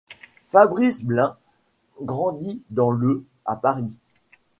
Fabrice Blind grandit dans le à Paris.